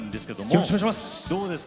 よろしくお願いします。